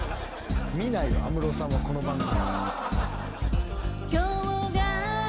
見ないよ安室さんはこの番組。